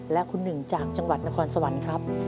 และคุณหนึ่งจากจังหวัดนครสวรรค์ครับ